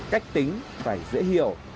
cách tính phải dễ hiểu